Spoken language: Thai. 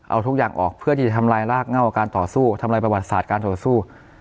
เอาทุกอย่างออกเพื่อที่จะทำลายรากเง่าการต่อสู้ทำลายประวัติศาสตร์การต่อสู้